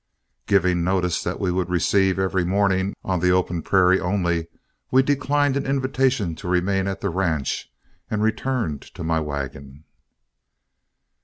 Giving notice that we would receive every morning on the open prairie only, we declined an invitation to remain at the ranch and returned to my wagon.